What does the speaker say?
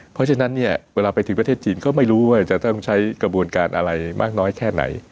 เพราะฉะนั้นเนี่ยเวลาไปถึงประเทศจีนก็ไม่รู้ว่าจะต้องใช้กระบวนการอะไรมากน้อยแค่ไหน